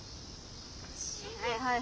はい